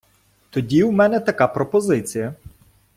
Тоді в мене така пропозиція.